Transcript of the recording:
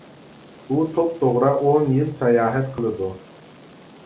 ئۇ توپتوغرا ئون يىل ساياھەت قىلىدۇ.